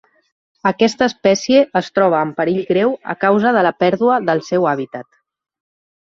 Aquesta espècie es troba en perill greu a causa de la pèrdua del seu hàbitat.